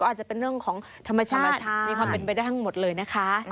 อาจจะเป็นเรื่องของธรรมชาติมีความเป็นไปได้ทั้งหมดเลยนะคะ